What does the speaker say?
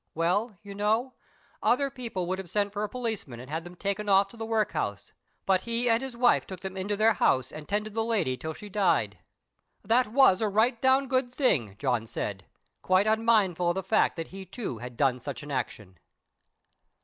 Well, you know, other people would have sent for a policeman and had them taken off to the workhouse, but he and his wife took them into their house and tended the lady till she died." "That was a right down good thing," John said, quite unmindful of the fact that he too had done such an action.